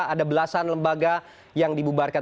ada belasan lembaga yang dibubarkan